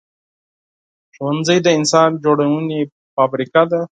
ښوونځی د انسان جوړونې فابریکه ده